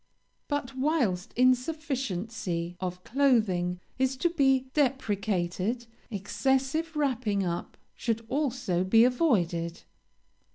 "But, whilst insufficiency of clothing is to be deprecated, excessive wrapping up should also be avoided.